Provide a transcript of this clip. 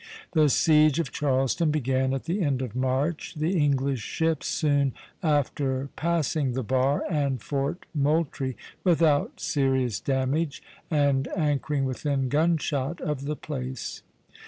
The siege of Charleston began at the end of March, the English ships soon after passing the bar and Fort Moultrie without serious damage, and anchoring within gunshot of the place.